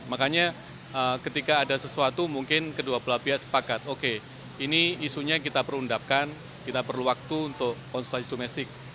makanya ketika ada sesuatu mungkin kedua belah pihak sepakat oke ini isunya kita perlu undapkan kita perlu waktu untuk konsultasi domestik